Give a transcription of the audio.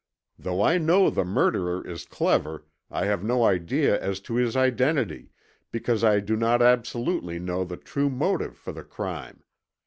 Though I know the murderer is clever I have no idea as to his identity, because I do not absolutely know the true motive for the crime.